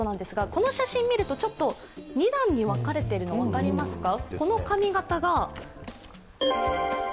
この写真を見ると、ちょっと２段に分かれてるの分かりますか？